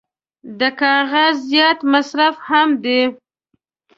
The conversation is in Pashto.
د کاغذ زیات مصرف هم دی.